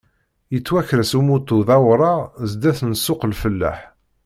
Yettwaker-as umuṭu d awraɣ zdat n ssuq-lfellaḥ.